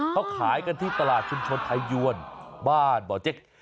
เขาขายกันที่ตลาดชุมชนไทยยวนบ้านบ่อเจ๊ก